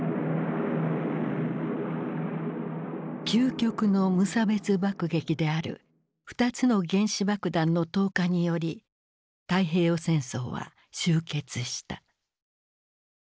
究極の無差別爆撃である２つの原子爆弾の投下により太平洋戦争は終結した。